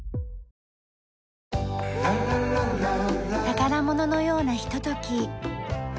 宝物のようなひととき。